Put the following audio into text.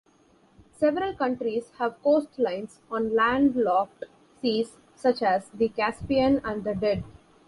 Several countries have coastlines on landlocked seas, such as the Caspian and the Dead.